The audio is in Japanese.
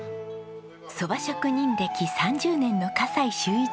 蕎麦職人歴３０年の笠井秀一さん。